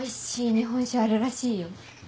日本酒あるらしいよ。